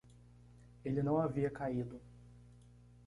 Ele não havia caído